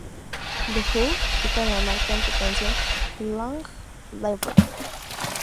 The Who citan la marca en su canción "Long Live Rock".